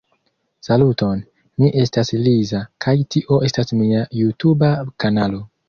Saluton, mi estas Liza kaj tio estas mia jutuba kanalo.